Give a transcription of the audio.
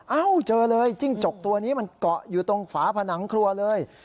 เอ้าเจอเลยจิ้งจกตัวนี้มันเกาะอยู่ตรงฝาผนังครัวเลย